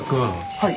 はい。